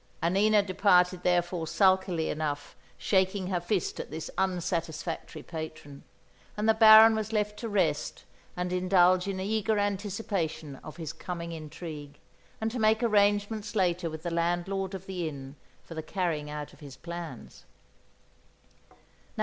Annina departed therefore sulkily enough, shaking her fist at this unsatisfactory patron; and the Baron was left to rest and indulge in eager anticipation of his coming intrigue, and to make arrangements later with the landlord of the inn for the carrying out of his plans.